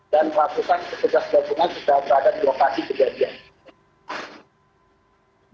dan peratusan petugas gabungan sudah terada di lokasi kejadian